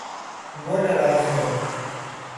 وہ ناراض ہے